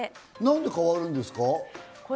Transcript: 何で変わるんですか？